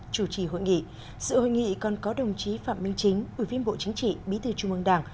chủ trì hội nghị sự hội nghị còn có đồng chí phạm minh chính ủy viên bộ chính trị bí thư trung ương đảng